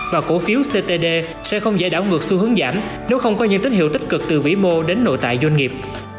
và cổ phiếu ctd sẽ không giải đảo ngược xu hướng giảm nếu không có những tín hiệu tích cực từ vĩ mô đến nội tại doanh nghiệp